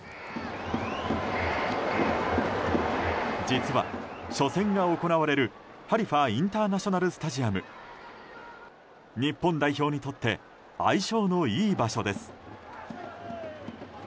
実は初戦が行われるハリファ・インターナショナルスタジアム日本代表にとって相性のいい場所です。